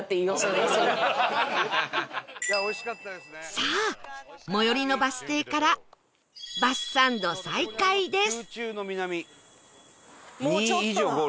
さあ最寄りのバス停からバスサンド再開です